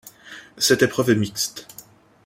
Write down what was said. Cette épreuve est mixte.